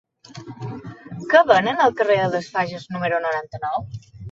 Què venen al carrer de les Fages número noranta-nou?